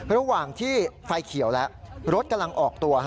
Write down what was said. ระหว่างที่ไฟเขียวแล้วรถกำลังออกตัว